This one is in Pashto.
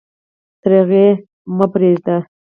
تر هغې مه پرېږده.